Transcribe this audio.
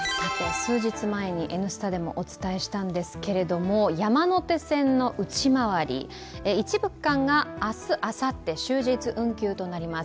数日前に「Ｎスタ」でもお伝えしたんですけれども、山手線の内回り、一部区間が明日、あさって、終日運休となります。